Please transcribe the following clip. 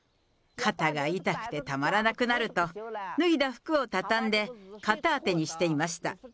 肩が痛くてたまらなくなると、脱いだ服を畳んで、肩当てにしていました。